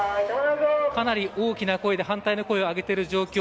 かなり大きな声で反対の声をあげている状況。